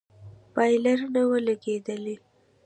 بايلر نه و لگېدلى.